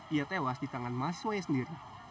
ia tewas di tangan mahasiswanya sendiri